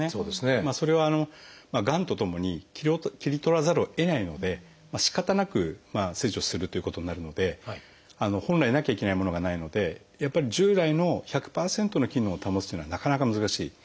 それはがんとともに切り取らざるをえないのでしかたなく切除するということになるので本来なきゃいけないものがないのでやっぱり従来の１００％の機能を保つというのはなかなか難しい。